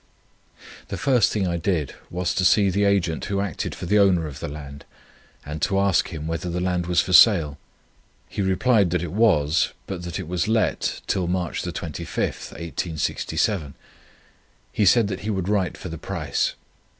The first thing I did was, to see the agent who acted for the owner of the land, and to ask him, whether the land was for sale. He replied that it was, but that it was let till March 25th, 1867. He said that he would write for the price.